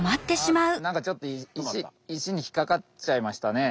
なんかちょっと石に引っかかっちゃいましたね。